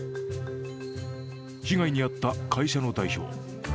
被害に遭った会社の代表。